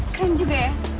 keren juga ya